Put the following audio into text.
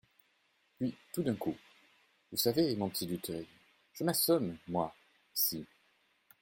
Puis, tout d'un coup : Vous savez, mon petit Dutheil, je m'assomme, moi, ici.